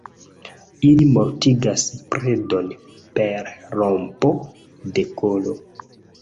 Ili mortigas predon per rompo de kolo.